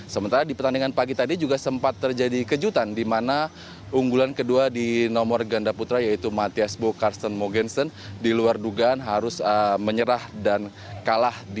sementara di pertandingan pagi tadi juga sempat terjadi kejutan di mana unggulan kedua di nomor ganda putra yaitu matias bocarsten mogensen di luar dugaan harus menyerah dan kalah